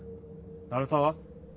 鳴沢？